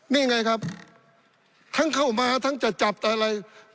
นี่ไงครับทั้งเข้ามาทั้งจะจับแต่อะไร